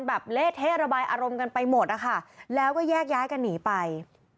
เละเทะระบายอารมณ์กันไปหมดนะคะแล้วก็แยกย้ายกันหนีไป